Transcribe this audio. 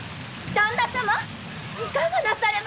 ⁉旦那様。